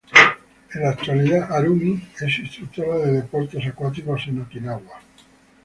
En la actualidad, Harumi es instructora de deportes acuáticos en Okinawa.